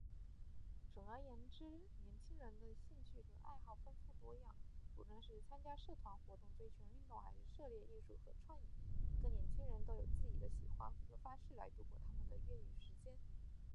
总而言之，年轻人的兴趣和爱好丰富多样。无论是参加社团活动、追求运动，还是涉猎艺术和创意，每个年轻人都有自己喜欢的方式来度过他们的业余时间。